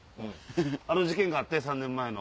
あの事件があって３年前の。